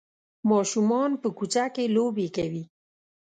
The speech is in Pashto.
ماشومان په کوڅه کې لوبې کوي.